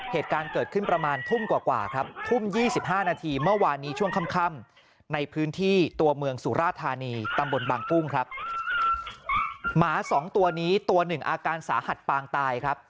เหตุการณ์เกิดขึ้นประมาณทุ่มกว่าครับ